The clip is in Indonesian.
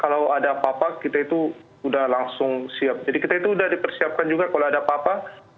kalau ada apa apa kita itu sudah langsung siap jadi kita itu sudah dipersiapkan juga kalau ada apa apa